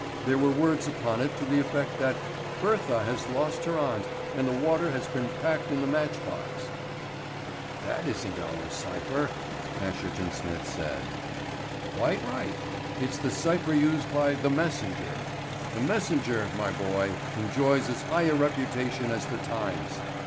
There were words upon it to the effect that "Bertha has lost her aunt, and the water has been packed in the matchbox." [Illustration: "That isn't our cypher," Asherton Smith said.] "That isn't our cypher," Asherton Smith said. "Quite right; it's the cypher used by The Messenger. The Messenger, my boy, enjoys as high a reputation as The Times.